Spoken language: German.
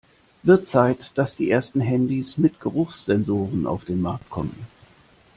Wird Zeit, dass die ersten Handys mit Geruchssensoren auf den Markt kommen!